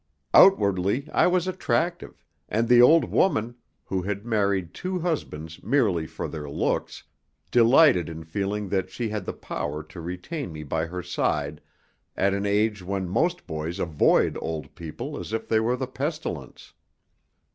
Outwardly I was attractive; and the old woman, who had married two husbands merely for their looks, delighted in feeling that she had the power to retain me by her side at an age when most boys avoid old people as if they were the pestilence.